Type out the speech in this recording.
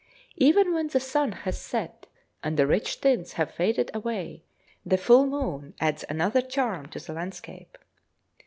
Even when the sun has set, and the rich tints have faded away, the full moon adds another charm to the landscape.